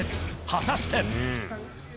果たして。